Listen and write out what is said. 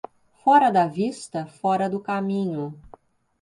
Fora da vista, fora do caminho.